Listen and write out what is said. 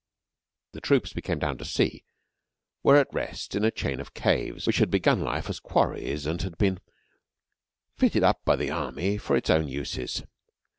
The troops we came down to see were at rest in a chain of caves which had begun life as quarries and had been fitted up by the army for its own uses.